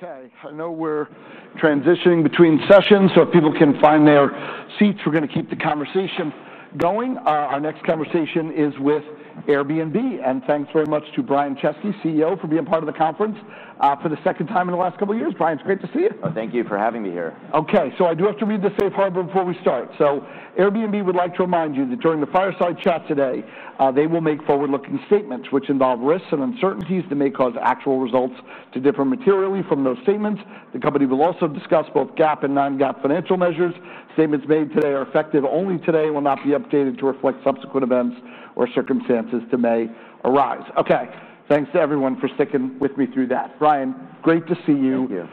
Okay, I know we're transitioning between sessions so people can find their seats. We're going to keep the conversation going. Our next conversation is with Airbnb, and thanks very much to Brian Chesky, CEO, for being part of the conference for the second time in the last couple of years. Brian, it's great to see you. Thank you for having me here. Okay, I do have to read the safe harbor before we start. Airbnb would like to remind you that during the fireside chat today, they will make forward-looking statements, which involve risks and uncertainties that may cause actual results to differ materially from those statements. The company will also discuss both GAAP and non-GAAP financial measures. Statements made today are effective only today and will not be updated to reflect subsequent events or circumstances that may arise. Thanks to everyone for sticking with me through that. Brian, great to see you. Thank you.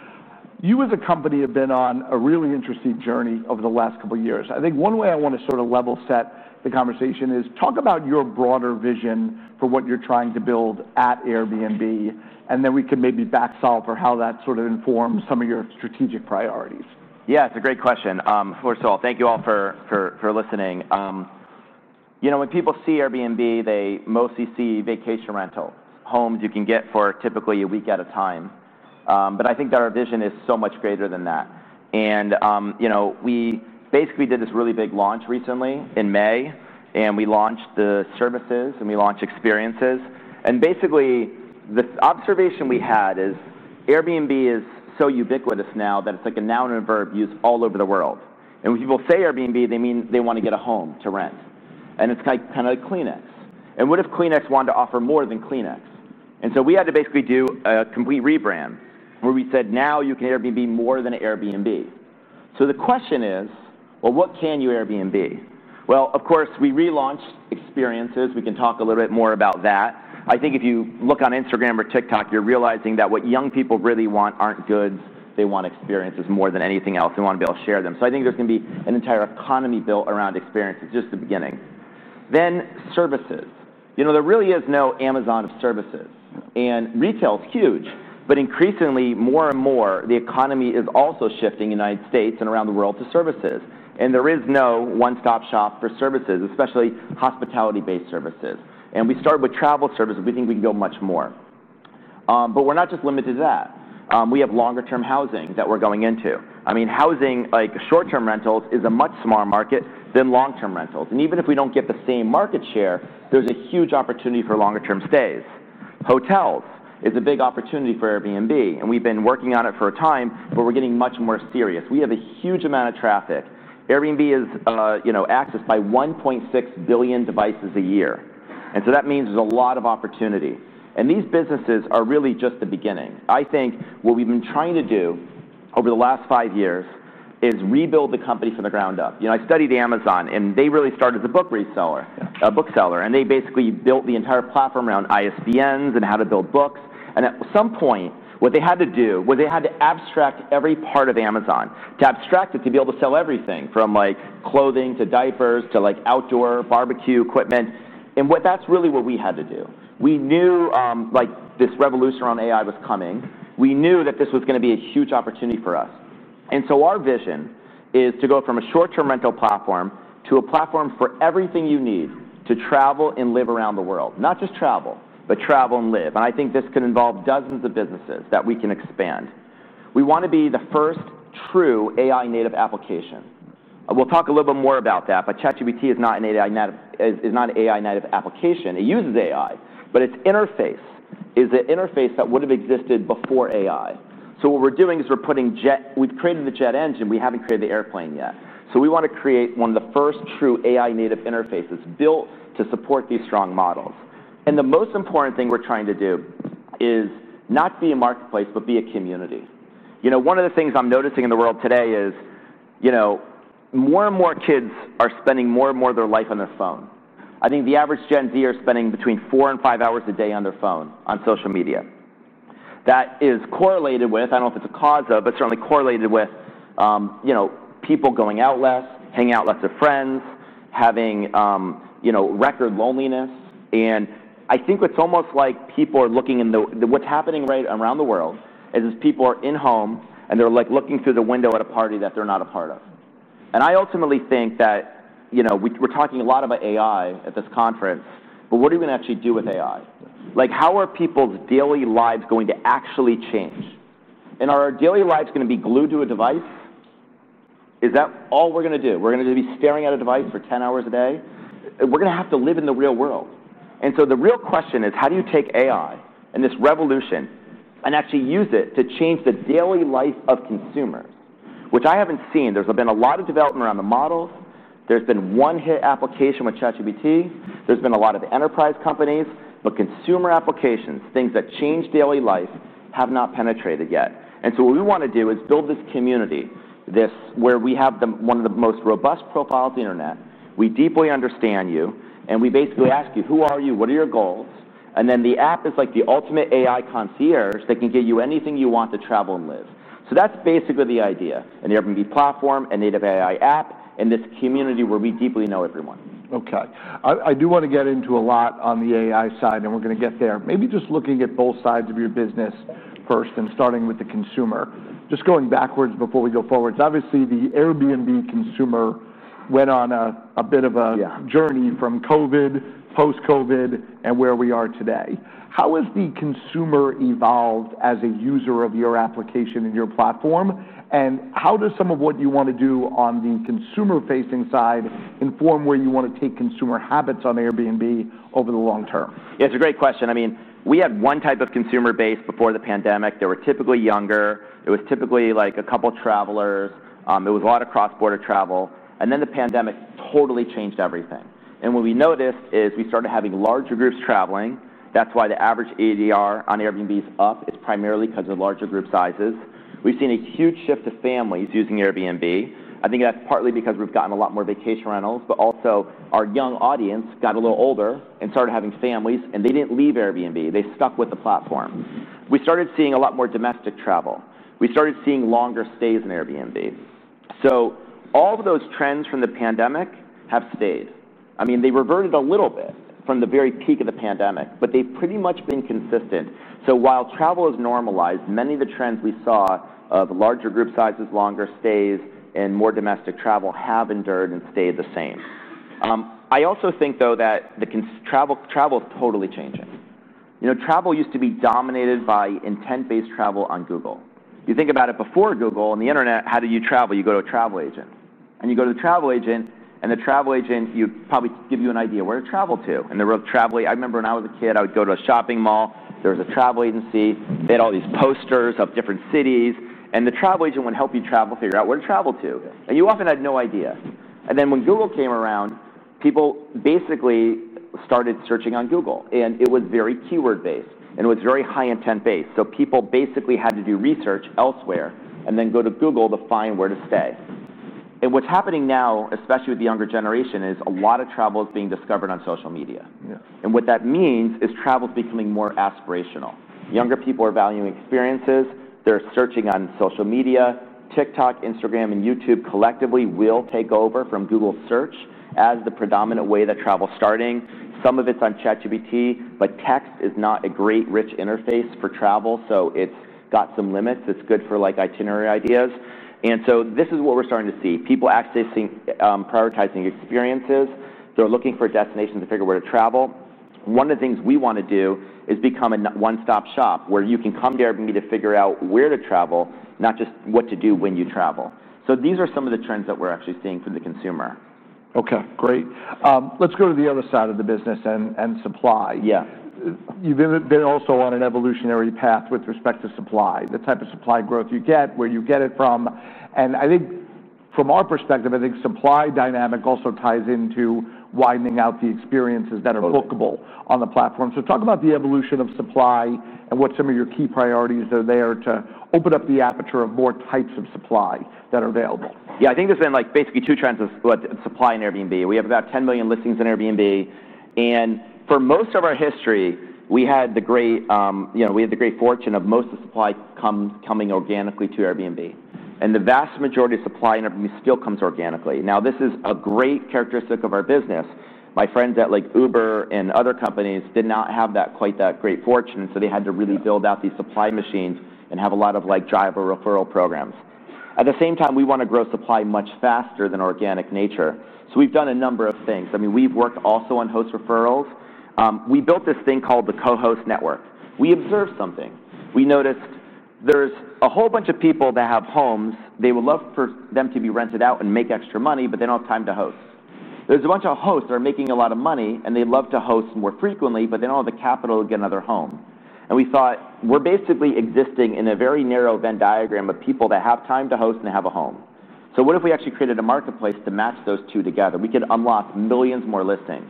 You as a company have been on a really interesting journey over the last couple of years. I think one way I want to sort of level set the conversation is talk about your broader vision for what you're trying to build at Airbnb, and then we can maybe backsolve for how that sort of informs some of your strategic priorities. Yeah, it's a great question. First of all, thank you all for listening. You know, when people see Airbnb, they mostly see vacation rental homes you can get for typically a week at a time. I think that our vision is so much greater than that. You know, we basically did this really big launch recently in May, and we launched the services and we launched experiences. Basically, the observation we had is Airbnb is so ubiquitous now that it's like a noun and a verb used all over the world. When people say Airbnb, they mean they want to get a home to rent. It's like kind of a Kleenex. What if Kleenex wanted to offer more than Kleenex? We had to basically do a complete rebrand where we said now you can Airbnb more than Airbnb. The question is, what can you Airbnb? Of course, we relaunched experiences. We can talk a little bit more about that. I think if you look on Instagram or TikTok, you're realizing that what young people really want aren't goods. They want experiences more than anything else. They want to be able to share them. I think there's going to be an entire economy built around experiences. It's just the beginning. Then services. There really is no Amazon of services. Retail is huge. Increasingly, more and more, the economy is also shifting in the United States and around the world to services. There is no one-stop shop for services, especially hospitality-based services. We started with travel services. We think we can go much more. We're not just limited to that. We have longer-term housing that we're going into. I mean, housing, like short-term rentals, is a much smaller market than long-term rentals. Even if we don't get the same market share, there's a huge opportunity for longer-term stays. Hotels is a big opportunity for Airbnb. We've been working on it for a time, but we're getting much more serious. We have a huge amount of traffic. Airbnb is accessed by 1.6 billion devices a year. That means there's a lot of opportunity. These businesses are really just the beginning. I think what we've been trying to do over the last five years is rebuild the company from the ground up. I studied Amazon, and they really started as a bookseller. They basically built the entire platform around ISBNs and how to build books. At some point, what they had to do was they had to abstract every part of Amazon. To abstract it, to be able to sell everything from like clothing to diapers to like outdoor barbecue equipment. That's really what we had to do. We knew this revolution on AI was coming. We knew that this was going to be a huge opportunity for us. Our vision is to go from a short-term rental platform to a platform for everything you need to travel and live around the world. Not just travel, but travel and live. I think this could involve dozens of businesses that we can expand. We want to be the first true AI-native application. We'll talk a little bit more about that. ChatGPT is not an AI-native application. It uses AI, but its interface is an interface that would have existed before AI. What we're doing is we're putting jet... We've created the jet engine. We haven't created the airplane yet. We want to create one of the first true AI-native interfaces built to support these strong models. The most important thing we're trying to do is not be a marketplace, but be a community. One of the things I'm noticing in the world today is more and more kids are spending more and more of their life on their phone. I think the average Gen Z is spending between four and five hours a day on their phone on social media. That is correlated with, I don't know if it's a cause, but certainly correlated with people going out less, hanging out less with friends, having record loneliness. I think it's almost like people are looking at what's happening right around the world as people are in home and they're looking through the window at a party that they're not a part of. I ultimately think that we're talking a lot about AI at this conference, but what are we going to actually do with AI? How are people's daily lives going to actually change? Are our daily lives going to be glued to a device? Is that all we're going to do? We're going to be staring at a device for 10 hours a day? We're going to have to live in the real world. The real question is, how do you take AI and this revolution and actually use it to change the daily life of consumers? Which I haven't seen. There's been a lot of development around the models. There's been one hit application with ChatGPT. There's been a lot of enterprise companies, but consumer applications, things that change daily life, have not penetrated yet. What we want to do is build this community, where we have one of the most robust profiles on the internet. We deeply understand you. We basically ask you, who are you? What are your goals? The app is like the ultimate AI concierge that can give you anything you want to travel and live. That's basically the idea. An Airbnb platform, a native AI app, and this community where we deeply know everyone. Okay. I do want to get into a lot on the AI side, and we're going to get there. Maybe just looking at both sides of your business first and starting with the consumer. Just going backwards before we go forward. Obviously, the Airbnb consumer went on a bit of a journey from COVID, post-COVID, and where we are today. How has the consumer evolved as a user of your application and your platform? How does some of what you want to do on the consumer-facing side inform where you want to take consumer habits on Airbnb over the long term? Yeah, it's a great question. I mean, we had one type of consumer base before the pandemic. They were typically younger. It was typically like a couple of travelers. It was a lot of cross-border travel. The pandemic totally changed everything. What we noticed is we started having larger groups traveling. That's why the average ADR on Airbnb is up. It's primarily because of larger group sizes. We've seen a huge shift to families using Airbnb. I think that's partly because we've gotten a lot more vacation rentals, but also our young audience got a little older and started having families, and they didn't leave Airbnb. They stuck with the platform. We started seeing a lot more domestic travel. We started seeing longer stays in Airbnb. All of those trends from the pandemic have stayed. I mean, they reverted a little bit from the very peak of the pandemic, but they've pretty much been consistent. While travel has normalized, many of the trends we saw of larger group sizes, longer stays, and more domestic travel have endured and stayed the same. I also think, though, that travel is totally changing. You know, travel used to be dominated by intent-based travel on Google. If you think about it, before Google and the internet, how did you travel? You go to a travel agent. You go to the travel agent, and the travel agent would probably give you an idea of where to travel to. The real travel agent, I remember when I was a kid, I would go to a shopping mall. There was a travel agency. They had all these posters of different cities. The travel agent would help you travel, figure out where to travel to. You often had no idea. When Google came around, people basically started searching on Google. It was very keyword-based. It was very high-intent-based. People basically had to do research elsewhere and then go to Google to find where to stay. What's happening now, especially with the younger generation, is a lot of travel is being discovered on social media. What that means is travel is becoming more aspirational. Younger people are valuing experiences. They're searching on social media. TikTok, Instagram, and YouTube collectively will take over from Google search as the predominant way that travel is starting. Some of it's on ChatGPT, but text is not a great rich interface for travel. It's got some limits. It's good for like itinerary ideas. This is what we're starting to see. People actually see prioritizing experiences. They're looking for a destination to figure out where to travel. One of the things we want to do is become a one-stop shop where you can come to Airbnb to figure out where to travel, not just what to do when you travel. These are some of the trends that we're actually seeing from the consumer. Okay, great. Let's go to the other side of the business and supply. Yeah. You've been also on an evolutionary path with respect to supply. The type of supply growth you get, where you get it from. I think from our perspective, I think supply dynamic also ties into widening out the experiences that are bookable on the platform. Talk about the evolution of supply and what some of your key priorities are there to open up the aperture of more types of supply that are available. Yeah, I think there's been basically two trends of supply in Airbnb. We have about 10 million listings in Airbnb. For most of our history, we had the great fortune of most of the supply coming organically to Airbnb. The vast majority of supply in Airbnb still comes organically. This is a great characteristic of our business. My friends at Uber and other companies did not have quite that great fortune, so they had to really build out these supply machines and have a lot of driver referral programs. At the same time, we want to grow supply much faster than organic nature. We've done a number of things. We've worked also on host referrals. We built this thing called the co-host network. We observed something. We noticed there's a whole bunch of people that have homes. They would love for them to be rented out and make extra money, but they don't have time to host. There's a bunch of hosts that are making a lot of money, and they'd love to host more frequently, but they don't have the capital to get another home. We thought we're basically existing in a very narrow Venn diagram of people that have time to host and have a home. What if we actually created a marketplace to match those two together? We could unlock millions more listings.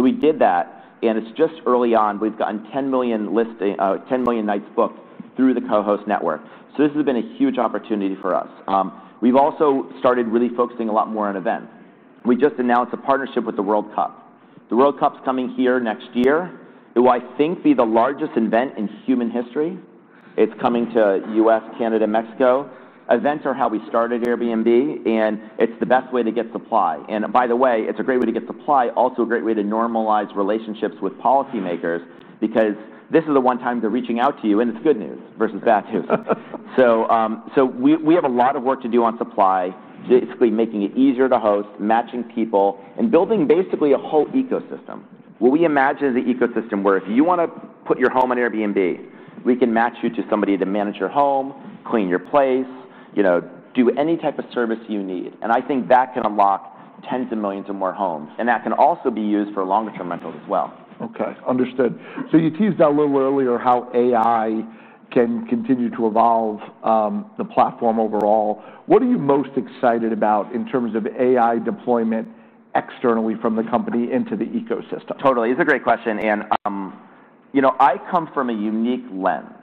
We did that, and it's just early on. We've gotten 10 million nights booked through the co-host network. This has been a huge opportunity for us. We've also started really focusing a lot more on event. We just announced a partnership with the World Cup. The World Cup is coming here next year. It will, I think, be the largest event in human history. It's coming to the U.S., Canada, and Mexico. Events are how we started Airbnb. It's the best way to get supply. By the way, it's a great way to get supply, also a great way to normalize relationships with policymakers, because this is the one time they're reaching out to you, and it's good news versus bad news. We have a lot of work to do on supply, basically making it easier to host, matching people, and building basically a whole ecosystem. What we imagine is an ecosystem where if you want to put your home on Airbnb, we can match you to somebody to manage your home, clean your place, do any type of service you need. I think that can unlock tens of millions of more homes, and that can also be used for longer-term rentals as well. Okay, understood. You teased out a little earlier how AI can continue to evolve the platform overall. What are you most excited about in terms of AI deployment externally from the company into the ecosystem? Totally. It's a great question. I come from a unique lens.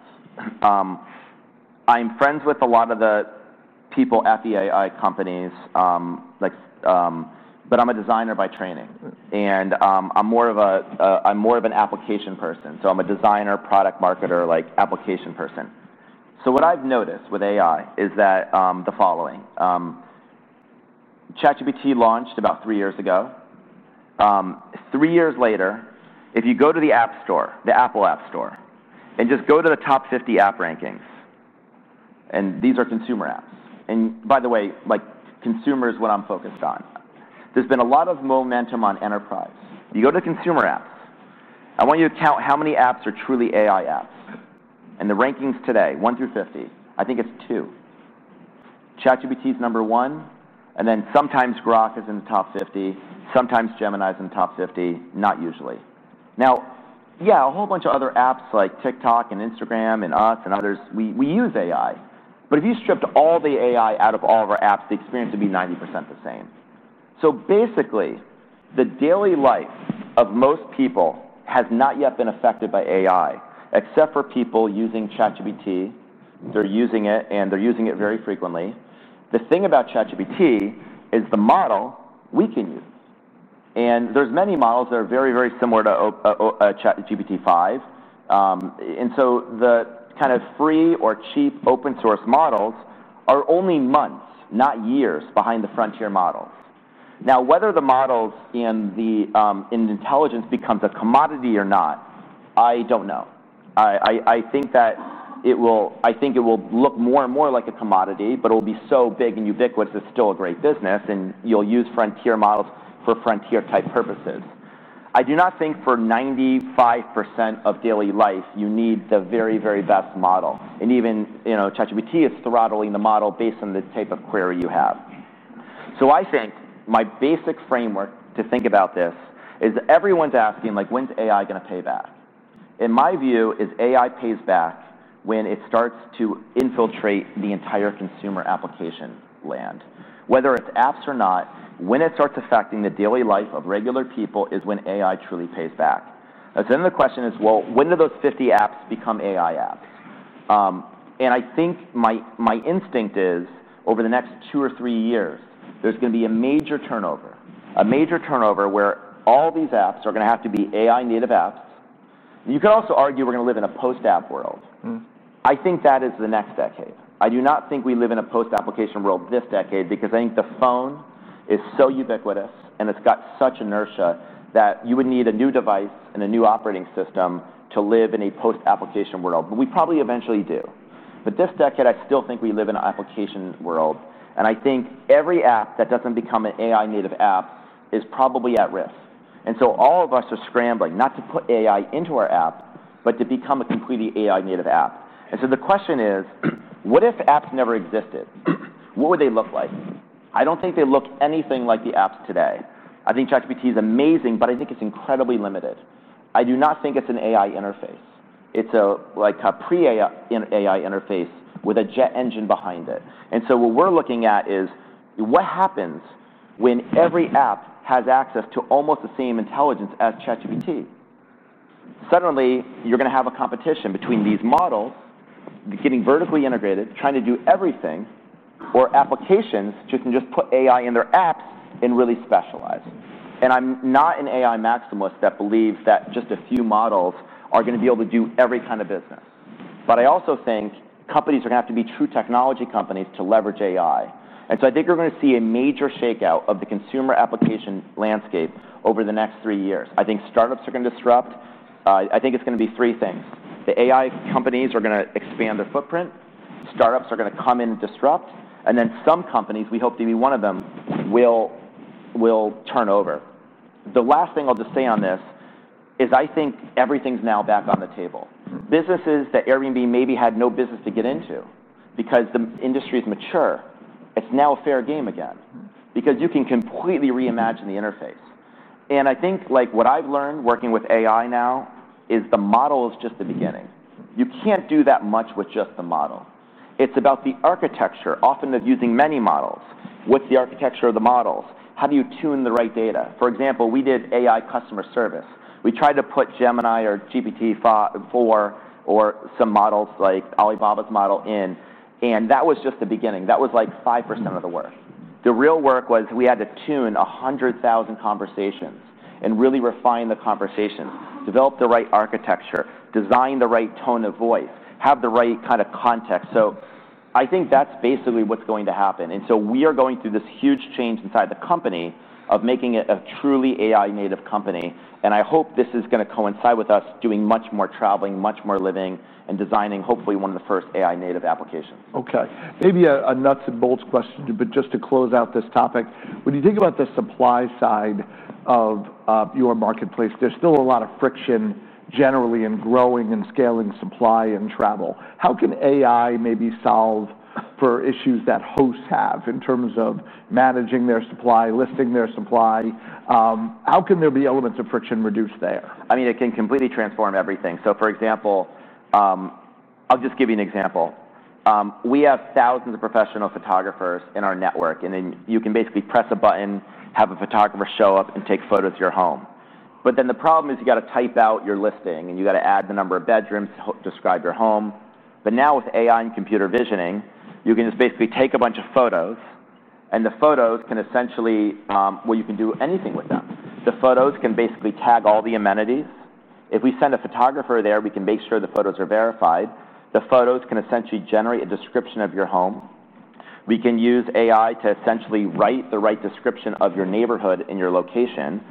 I'm friends with a lot of the people at the AI companies. I'm a designer by training, and I'm more of an application person. I'm a designer, product marketer, like application person. What I've noticed with AI is the following. ChatGPT launched about three years ago. Three years later, if you go to the App Store, the Apple App Store, and just go to the top 50 app rankings, and these are consumer apps. By the way, consumer is what I'm focused on. There's been a lot of momentum on enterprise. You go to the consumer apps. I want you to count how many apps are truly AI apps. In the rankings today, one through 50, I think it's two. ChatGPT is number one, and then sometimes Grok is in the top 50. Sometimes Gemini is in the top 50, not usually. Now, a whole bunch of other apps like TikTok and Instagram and us and others, we use AI. If you stripped all the AI out of all of our apps, the experience would be 90% the same. Basically, the daily life of most people has not yet been affected by AI, except for people using ChatGPT. They're using it, and they're using it very frequently. The thing about ChatGPT is the model we can use. There are many models that are very, very similar to ChatGPT-5. The kind of free or cheap open-source models are only months, not years, behind the frontier models. Whether the models and the intelligence become a commodity or not, I don't know. I think that it will, I think it will look more and more like a commodity, but it will be so big and ubiquitous it's still a great business. You'll use frontier models for frontier-type purposes. I do not think for 95% of daily life you need the very, very best model. Even ChatGPT is throttling the model based on the type of query you have. My basic framework to think about this is that everyone's asking, like, when's AI going to pay back? My view is AI pays back when it starts to infiltrate the entire consumer application land. Whether it's apps or not, when it starts affecting the daily life of regular people is when AI truly pays back. The question is, when do those 50 apps become AI apps? I think my instinct is over the next two or three years, there's going to be a major turnover. A major turnover where all these apps are going to have to be AI-native apps. You could also argue we're going to live in a post-app world. I think that is the next decade. I do not think we live in a post-application world this decade because I think the phone is so ubiquitous and it's got such inertia that you would need a new device and a new operating system to live in a post-application world. We probably eventually do. This decade, I still think we live in an application world. I think every app that doesn't become an AI-native app is probably at risk. All of us are scrambling not to put AI into our app, but to become a completely AI-native app. The question is, what if apps never existed? What would they look like? I don't think they look anything like the apps today. I think ChatGPT is amazing, but I think it's incredibly limited. I do not think it's an AI interface. It's like a pre-AI interface with a jet engine behind it. What we're looking at is what happens when every app has access to almost the same intelligence as ChatGPT. Suddenly, you're going to have a competition between these models getting vertically integrated, trying to do everything, or applications that can just put AI in their apps and really specialize. I'm not an AI maximalist that believes that just a few models are going to be able to do every kind of business. I also think companies are going to have to be true technology companies to leverage AI. I think we're going to see a major shakeout of the consumer application landscape over the next three years. I think startups are going to disrupt. I think it's going to be three things. The AI companies are going to expand their footprint. Startups are going to come in and disrupt. Some companies, we hope to be one of them, will turn over. The last thing I'll just say on this is I think everything's now back on the table. Businesses that Airbnb maybe had no business to get into because the industry is mature, it's now a fair game again because you can completely reimagine the interface. What I've learned working with AI now is the model is just the beginning. You can't do that much with just the model. It's about the architecture, often of using many models. What's the architecture of the models? How do you tune the right data? For example, we did AI customer service. We tried to put Gemini or GPT-4 or some models like Alibaba's model in. That was just the beginning. That was like 5% of the work. The real work was we had to tune 100,000 conversations and really refine the conversations, develop the right architecture, design the right tone of voice, have the right kind of context. I think that's basically what's going to happen. We are going through this huge change inside the company of making it a truly AI-native company. I hope this is going to coincide with us doing much more traveling, much more living, and designing hopefully one of the first AI-native applications. Okay. Maybe a nuts and bolts question, but just to close out this topic. When you think about the supply side of your marketplace, there's still a lot of friction generally in growing and scaling supply in travel. How can AI maybe solve for issues that hosts have in terms of managing their supply, listing their supply? How can there be elements of friction reduced there? I mean, it can completely transform everything. For example, I'll just give you an example. We have thousands of professional photographers in our network. You can basically press a button, have a photographer show up and take photos of your home. The problem is you have to type out your listing and you have to add the number of bedrooms to describe your home. Now with AI and computer visioning, you can just basically take a bunch of photos. The photos can essentially, well, you can do anything with them. The photos can basically tag all the amenities. If we send a photographer there, we can make sure the photos are verified. The photos can essentially generate a description of your home. We can use AI to essentially write the right description of your neighborhood and your location.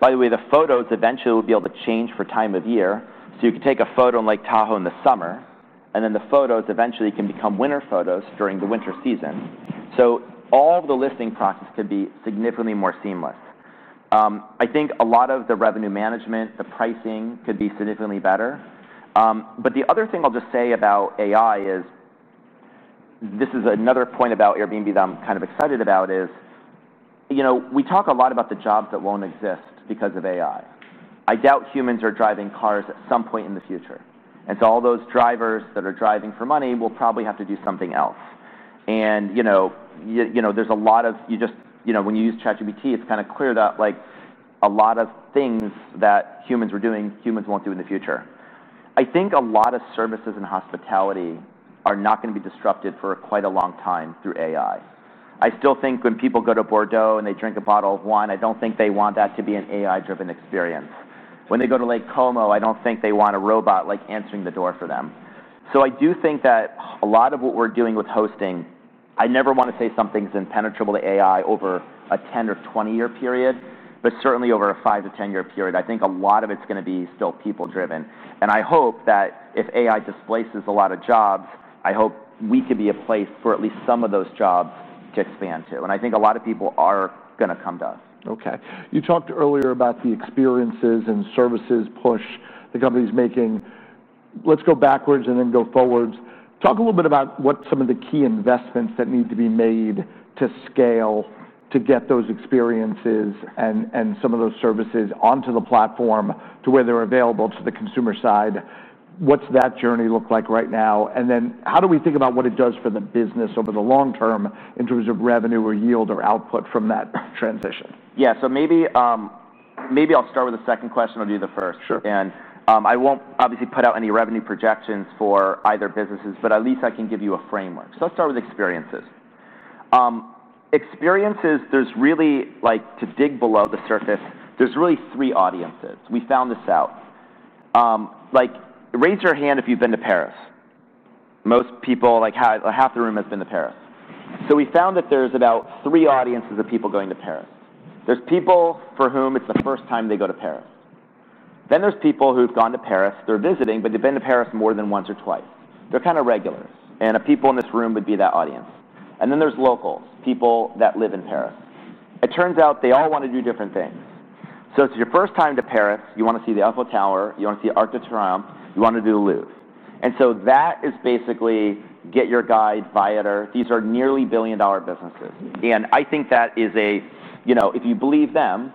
By the way, the photos eventually will be able to change for time of year. You could take a photo in Lake Tahoe in the summer. The photos eventually can become winter photos during the winter season. All of the listing process could be significantly more seamless. I think a lot of the revenue management, the pricing could be significantly better. The other thing I'll just say about AI is, this is another point about Airbnb that I'm kind of excited about. We talk a lot about the jobs that won't exist because of AI. I doubt humans are driving cars at some point in the future. All those drivers that are driving for money will probably have to do something else. When you use ChatGPT, it's kind of clear that a lot of things that humans were doing, humans won't do in the future. I think a lot of services and hospitality are not going to be disrupted for quite a long time through AI. I still think when people go to Bordeaux and they drink a bottle of wine, I don't think they want that to be an AI-driven experience. When they go to Lake Como, I don't think they want a robot like answering the door for them. I do think that a lot of what we're doing with hosting, I never want to say something's impenetrable to AI over a 10-year or 20-year period, but certainly over a 5-year to 10-year period, I think a lot of it's going to be still people-driven. I hope that if AI displaces a lot of jobs, we could be a place for at least some of those jobs to expand to. I think a lot of people are going to come to us. Okay. You talked earlier about the experiences and services push the company's making. Let's go backwards and then go forwards. Talk a little bit about what some of the key investments that need to be made to scale to get those experiences and some of those services onto the platform to where they're available to the consumer side. What's that journey look like right now? How do we think about what it does for the business over the long term in terms of revenue or yield or output from that transition? Maybe I'll start with the second question. I'll do the first. Sure. I won't obviously put out any revenue projections for either business, but at least I can give you a framework. Let's start with experiences. Experiences, there's really, like to dig below the surface, there's really three audiences. We found this out. Raise your hand if you've been to Paris. Most people, like half the room has been to Paris. We found that there's about three audiences of people going to Paris. There's people for whom it's the first time they go to Paris. Then there's people who've gone to Paris. They're visiting, but they've been to Paris more than once or twice. They're kind of regulars. The people in this room would be that audience. Then there's locals, people that live in Paris. It turns out they all want to do different things. If it's your first time to Paris, you want to see the Eiffel Tower. You want to see Arc de Triomphe. You want to do the Louvre. That is basically GetYourGuide, Viator. These are nearly billion-dollar businesses. I think that is a, you know, if you believe them,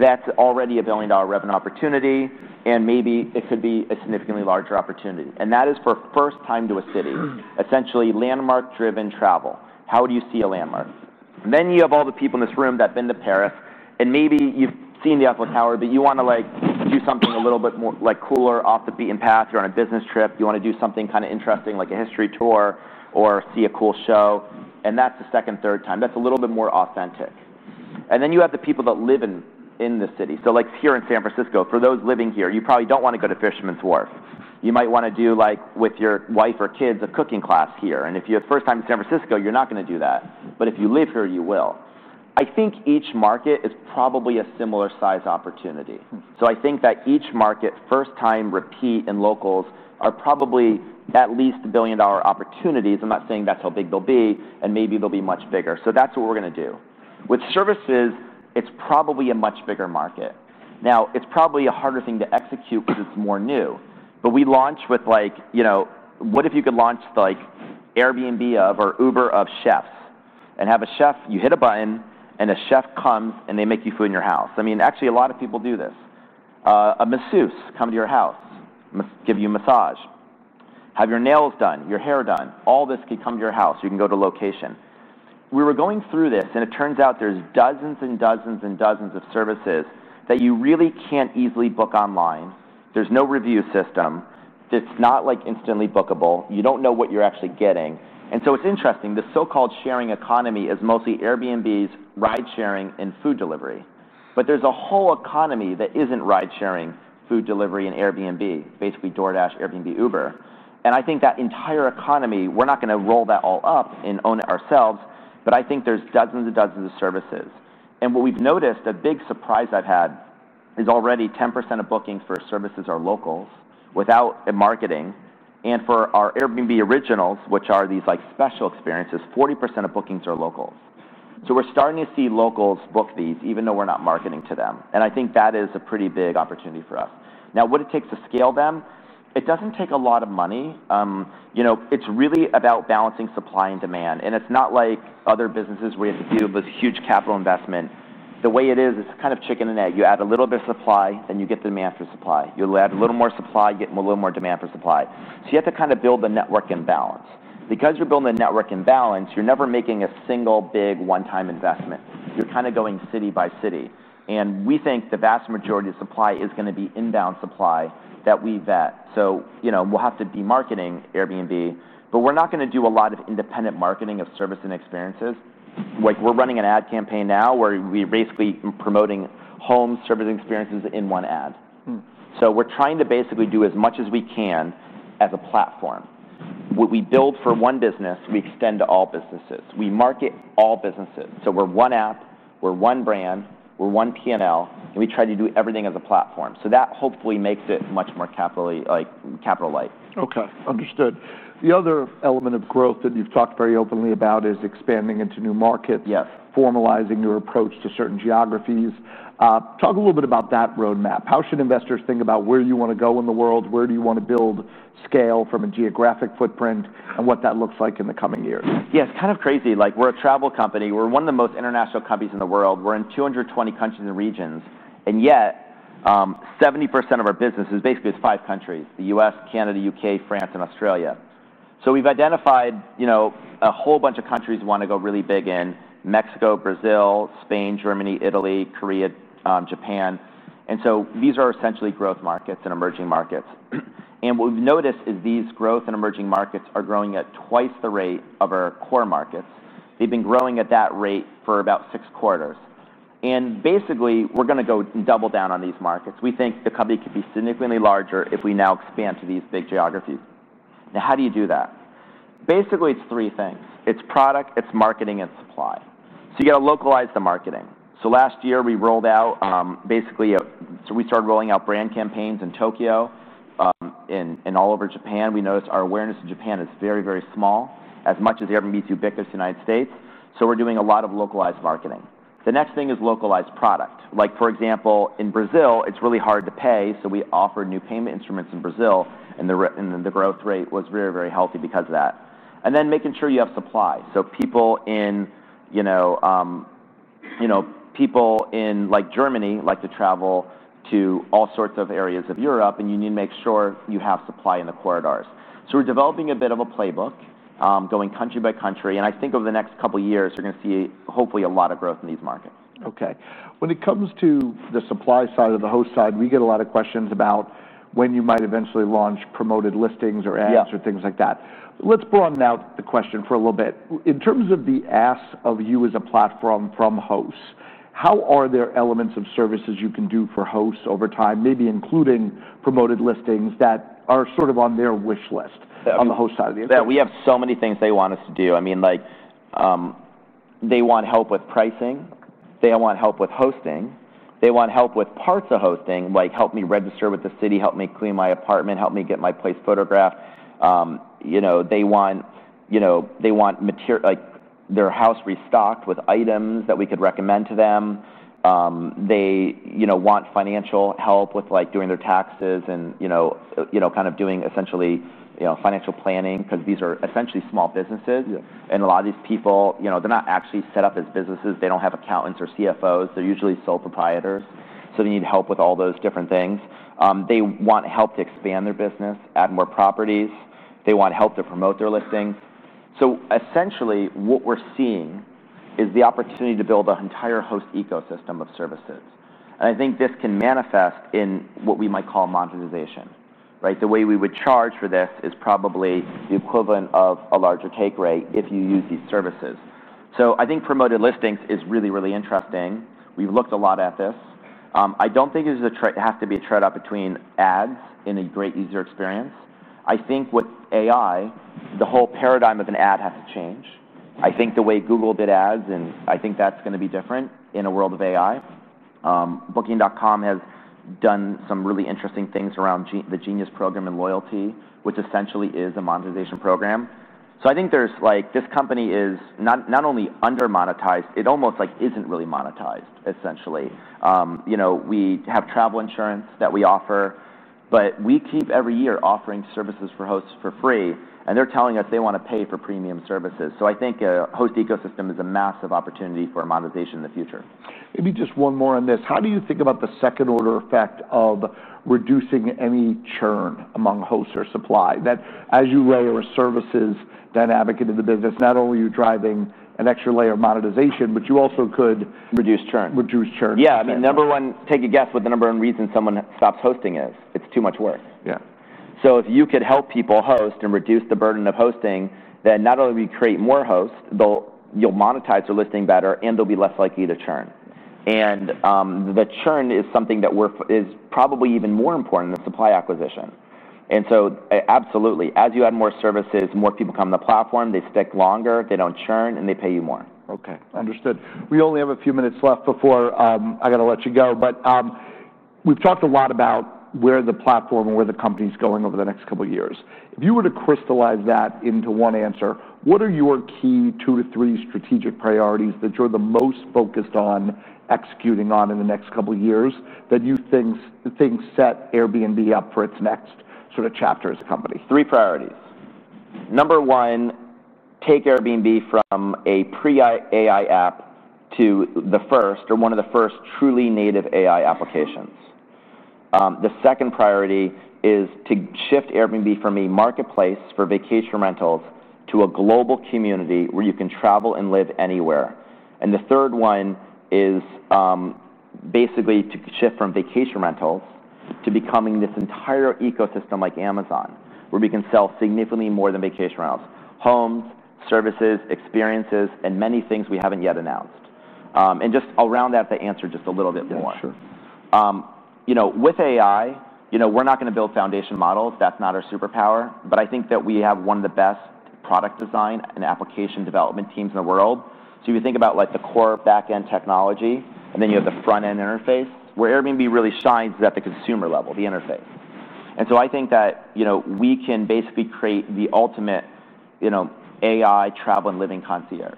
that's already a billion-dollar revenue opportunity. Maybe it could be a significantly larger opportunity. That is for a first time to a city, essentially landmark-driven travel. How do you see a landmark? Then you have all the people in this room that have been to Paris. Maybe you've seen the Eiffel Tower, but you want to do something a little bit more like cooler, off the beaten path. You're on a business trip. You want to do something kind of interesting, like a history tour or see a cool show. That's the second, third time. That's a little bit more authentic. Then you have the people that live in the city. Here in San Francisco, for those living here, you probably don't want to go to Fisherman's Wharf. You might want to do, like with your wife or kids, a cooking class here. If you're a first time in San Francisco, you're not going to do that. If you live here, you will. I think each market is probably a similar size opportunity. I think that each market, first time, repeat, and locals, are probably at least billion-dollar opportunities. I'm not saying that's how big they'll be. Maybe they'll be much bigger. That's what we're going to do. With services, it's probably a much bigger market. It's probably a harder thing to execute because it's more new. We launch with like, you know, what if you could launch like Airbnb of or Uber of chefs and have a chef, you hit a button, and a chef comes and they make you food in your house. I mean, actually, a lot of people do this. A masseuse comes to your house, gives you a massage, has your nails done, your hair done. All this can come to your house. You can go to a location. We were going through this, and it turns out there's dozens and dozens and dozens of services that you really can't easily book online. There's no review system. It's not like instantly bookable. You don't know what you're actually getting. It's interesting. The so-called sharing economy is mostly Airbnb's ride-sharing and food delivery. There's a whole economy that isn't ride-sharing, food delivery, and Airbnb, basically DoorDash, Airbnb, Uber. I think that entire economy, we're not going to roll that all up and own it ourselves. I think there's dozens and dozens of services. What we've noticed, a big surprise I've had is already 10% of bookings for services are locals without marketing. For our Airbnb Originals, which are these like special experiences, 40% of bookings are locals. We're starting to see locals book these, even though we're not marketing to them. I think that is a pretty big opportunity for us. Now, what it takes to scale them, it doesn't take a lot of money. It's really about balancing supply and demand. It's not like other businesses where you have to deal with this huge capital investment. The way it is, it's kind of chicken and egg. You add a little bit of supply, and you get the demand for supply. You'll add a little more supply, get a little more demand for supply. You have to kind of build the network in balance. Because you're building the network in balance, you're never making a single big one-time investment. You're kind of going city by city. We think the vast majority of supply is going to be inbound supply that we vet. We'll have to be marketing Airbnb. We're not going to do a lot of independent marketing of service and experiences. We're running an ad campaign now where we're basically promoting home service and experiences in one ad. We're trying to basically do as much as we can as a platform. What we build for one business, we extend to all businesses. We market all businesses. We're one app, we're one brand, we're one P&L, and we try to do everything as a platform. That hopefully makes it much more capital-light. Okay, understood. The other element of growth that you've talked very openly about is expanding into new markets, formalizing your approach to certain geographies. Talk a little bit about that roadmap. How should investors think about where you want to go in the world? Where do you want to build scale from a geographic footprint, and what that looks like in the coming years? Yeah, it's kind of crazy. Like we're a travel company. We're one of the most international companies in the world. We're in 220 countries and regions. Yet, 70% of our business is basically five countries: the U.S., Canada, U.K., France, and Australia. We've identified, you know, a whole bunch of countries we want to go really big in: Mexico, Brazil, Spain, Germany, Italy, Korea, Japan. These are essentially growth markets and emerging markets. What we've noticed is these growth and emerging markets are growing at twice the rate of our core markets. They've been growing at that rate for about six quarters. Basically, we're going to go double-down on these markets. We think the company could be significantly larger if we now expand to these big geographies. Now, how do you do that? Basically, it's three things. It's product, it's marketing, and supply. You got to localize the marketing. Last year, we rolled out basically, we started rolling out brand campaigns in Tokyo and all over Japan. We noticed our awareness in Japan is very, very small, as much as Airbnb is ubiquitous in the United States. We're doing a lot of localized marketing. The next thing is localized product. For example, in Brazil, it's really hard to pay. We offer new payment instruments in Brazil, and the growth rate was very, very healthy because of that. Then making sure you have supply. People in, you know, people in like Germany like to travel to all sorts of areas of Europe, and you need to make sure you have supply in the corridors. We're developing a bit of a playbook, going country by country. I think over the next couple of years, we're going to see hopefully a lot of growth in these markets. Okay. When it comes to the supply side or the host side, we get a lot of questions about when you might eventually launch promoted listings or ads or things like that. Let's broaden out the question for a little bit. In terms of the ask of you as a platform from hosts, how are there elements of services you can do for hosts over time, maybe including promoted listings that are sort of on their wish list on the host side of the app? Yeah, we have so many things they want us to do. I mean, they want help with pricing. They want help with hosting. They want help with parts of hosting, like help me register with the city, help me clean my apartment, help me get my place photographed. They want material, like their house restocked with items that we could recommend to them. They want financial help with doing their taxes and essentially financial planning because these are essentially small businesses. A lot of these people, they're not actually set up as businesses. They don't have accountants or CFOs. They're usually sole proprietors. They need help with all those different things. They want help to expand their business, add more properties. They want help to promote their listings. Essentially, what we're seeing is the opportunity to build an entire host ecosystem of services. I think this can manifest in what we might call monetization, right? The way we would charge for this is probably the equivalent of a larger take rate if you use these services. I think promoted listings is really, really interesting. We've looked a lot at this. I don't think it has to be a trade-off between ads and a great user experience. I think with AI, the whole paradigm of an ad has to change. I think the way Google did ads, and I think that's going to be different in a world of AI. Booking.com has done some really interesting things around the Genius program and loyalty, which essentially is a monetization program. I think this company is not only under-monetized, it almost isn't really monetized, essentially. We have travel insurance that we offer, but we keep every year offering services for hosts for free. They're telling us they want to pay for premium services. I think a host ecosystem is a massive opportunity for monetization in the future. Maybe just one more on this. How do you think about the second order effect of reducing any churn among hosts or supply? As you layer services dynamically to the business, not only are you driving an extra layer of monetization, but you also could reduce churn. Yeah, I mean, number one, take a guess what the number one reason someone stops hosting is. It's too much work. Yeah. If you could help people host and reduce the burden of hosting, then not only do you create more hosts, you'll monetize your listing better, and they'll be less likely to churn. The churn is something that is probably even more important than supply acquisition. Absolutely, as you add more services, more people come to the platform, they stick longer, they don't churn, and they pay you more. Okay, understood. We only have a few minutes left before I got to let you go. We've talked a lot about where the platform and where the company is going over the next couple of years. If you were to crystallize that into one answer, what are your key two to three strategic priorities that you're the most focused on executing on in the next couple of years that you think set Airbnb up for its next sort of chapter as a company? Three priorities. Number one, take Airbnb from a pre-AI app to the first or one of the first truly native AI applications. The second priority is to shift Airbnb from a marketplace for vacation rentals to a global community where you can travel and live anywhere. The third one is basically to shift from vacation rentals to becoming this entire ecosystem like Amazon, where we can sell significantly more than vacation rentals, homes, services, experiences, and many things we haven't yet announced. I'll round out the answer just a little bit more. Yeah, sure. You know, with AI, we're not going to build foundation models. That's not our superpower. I think that we have one of the best product design and application development teams in the world. You think about the core backend technology, and then you have the frontend interface, where Airbnb really shines at the consumer level, the interface. I think that we can basically create the ultimate AI travel and living concierge.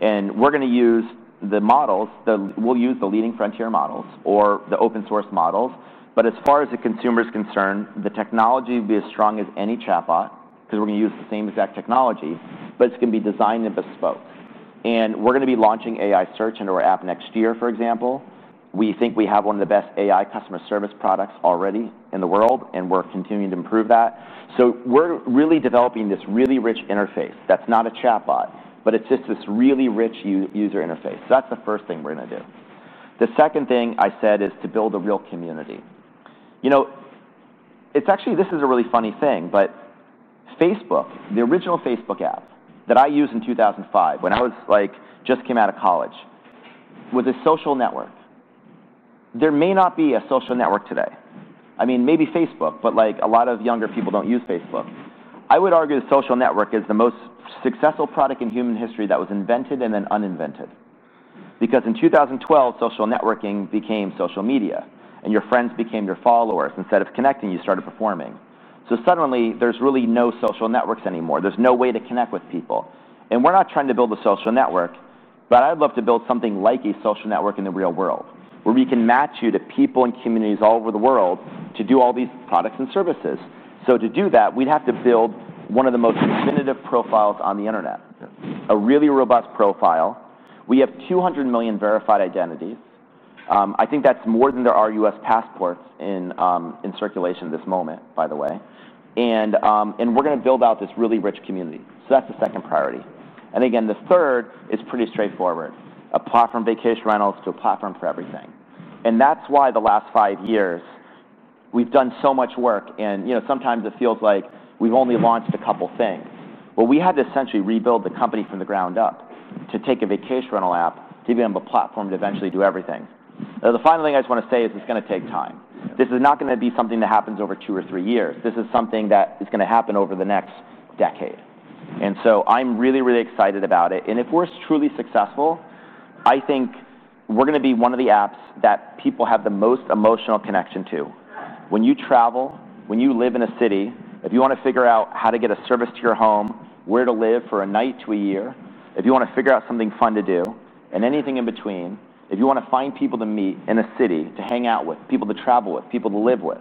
We're going to use the models, we'll use the leading frontier models or the open-source models. As far as the consumer is concerned, the technology will be as strong as any chatbot because we're going to use the same exact technology, but it's going to be designed and bespoke. We're going to be launching AI search into our app next year, for example. We think we have one of the best AI customer service products already in the world, and we're continuing to improve that. We're really developing this really rich interface that's not a chatbot, but it's just this really rich user interface. That's the first thing we're going to do. The second thing I said is to build a real community. It's actually, this is a really funny thing, but Facebook, the original Facebook app that I used in 2005 when I was just came out of college, was a social network. There may not be a social network today. I mean, maybe Facebook, but a lot of younger people don't use Facebook. I would argue the social network is the most successful product in human history that was invented and then uninvented. In 2012, social networking became social media, and your friends became your followers. Instead of connecting, you started performing. Suddenly, there's really no social networks anymore. There's no way to connect with people. We're not trying to build a social network, but I'd love to build something like a social network in the real world, where we can match you to people and communities all over the world to do all these products and services. To do that, we'd have to build one of the most definitive profiles on the internet, a really robust profile. We have 200 million verified identities. I think that's more than there are U.S. passports in circulation at this moment, by the way. We're going to build out this really rich community. That's the second priority. The third is pretty straightforward: a platform vacation rentals to a platform for everything. That is why the last five years, we've done so much work. Sometimes it feels like we've only launched a couple of things. We had to essentially rebuild the company from the ground up to take a vacation rental app, giving them a platform to eventually do everything. The final thing I just want to say is it's going to take time. This is not going to be something that happens over two or three years. This is something that is going to happen over the next decade. I'm really, really excited about it. If we're truly successful, I think we're going to be one of the apps that people have the most emotional connection to. When you travel, when you live in a city, if you want to figure out how to get a service to your home, where to live for a night to a year, if you want to figure out something fun to do, and anything in between, if you want to find people to meet in a city, to hang out with, people to travel with, people to live with,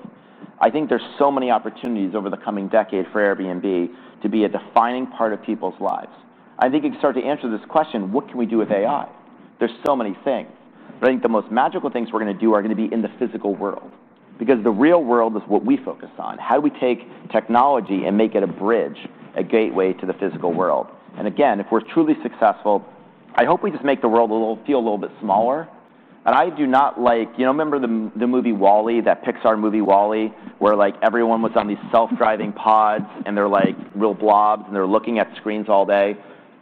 I think there's so many opportunities over the coming decade for Airbnb to be a defining part of people's lives. I think you can start to answer this question: what can we do with AI? There's so many things. I think the most magical things we're going to do are going to be in the physical world. The real world is what we focus on. How do we take technology and make it a bridge, a gateway to the physical world? If we're truly successful, I hope we just make the world feel a little bit smaller. I do not like, you know, remember the movie WALL-E, that Pixar movie WALL-E, where everyone was on these self-driving pods, and they're like real blobs, and they're looking at screens all day.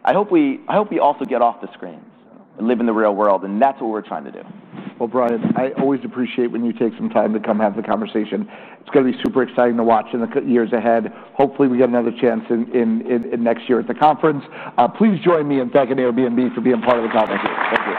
I hope we also get off the screens and live in the real world. That's what we're trying to do. Brian, I always appreciate when you take some time to come have the conversation. It's going to be super exciting to watch in the years ahead. Hopefully, we get another chance next year at the conference. Please join me and Beck and Airbnb for being part of the convention. Will do.